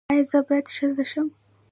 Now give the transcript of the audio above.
ایا زه باید ښځه شم؟